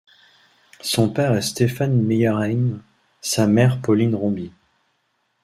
Son père est Stéphane Meyer-Heine, sa mère Pauline Rombi.